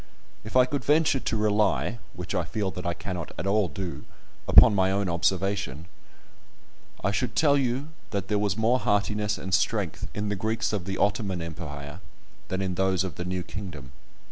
If I could venture to rely (which I feel that I cannot at all do) upon my own observation, I should tell you that there was more heartiness and strength in the Greeks of the Ottoman Empire than in those of the new kingdom.